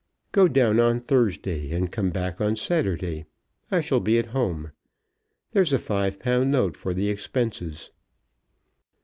Go down on Thursday and come back on Saturday. I shall be at home. There's a five pound note for the expenses."